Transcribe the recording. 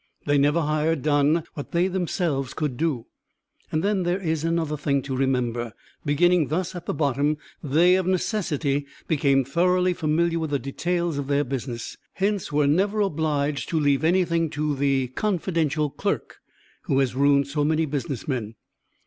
They never hired done what they themselves could do. And then there is another thing to remember beginning thus at the bottom they, of necessity, became thoroughly familiar with the details of their business, hence were never obliged to leave anything to the 'confidential clerk' who has ruined so many business men.